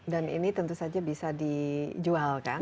dan ini tentu saja bisa dijual kan